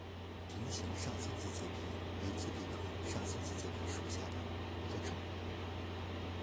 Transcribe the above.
瓶形上三脊节蜱为节蜱科上三脊节蜱属下的一个种。